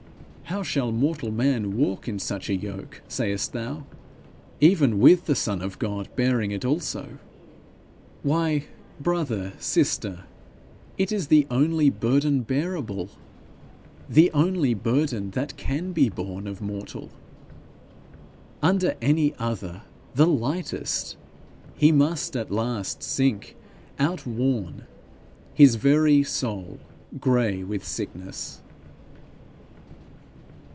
'How shall mortal man walk in such a yoke,' sayest thou, 'even with the Son of God bearing it also?' Why, brother, sister, it is the only burden bearable the only burden that can be borne of mortal! Under any other, the lightest, he must at last sink outworn, his very soul gray with sickness!